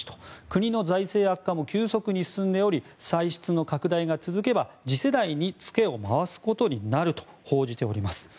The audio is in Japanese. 国の財政悪化も急速に進んでおり歳出の拡大が続けば次世代に付けを回すことになると報じております。